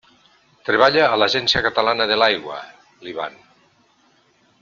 Treballa a l'Agència Catalana de l'Aigua, l'Ivan.